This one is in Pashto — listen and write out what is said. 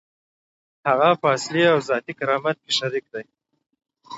هغه په اصلي او ذاتي کرامت کې شریک دی.